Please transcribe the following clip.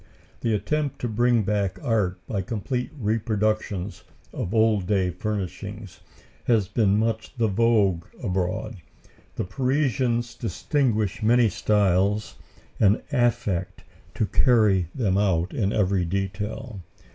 The attempt to bring back art by complete reproductions of old day furnishings has been much the vogue abroad. The Parisians distinguish many styles and affect to carry them out in every detail.